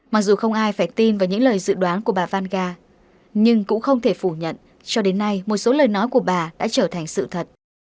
mặc dù không ai phải tin vào những lời dự đoán của bà vanca nhưng cũng không thể phủ nhận cho đến nay một số lời nói của bà đã trở thành sự thật